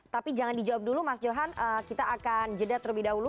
tapi jangan dijawab dulu mas johan kita akan jeda terlebih dahulu